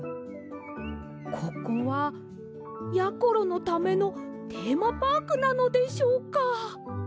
ここはやころのためのテーマパークなのでしょうか！